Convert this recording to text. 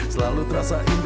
selalu terasa indah